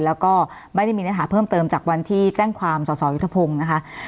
แล้วก็ไม่ได้มีเนื้อหาเพิ่มเติมจากวันที่แจ้งความสอสอยุทธพงศ์นะคะ